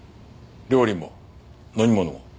料理も飲み物も。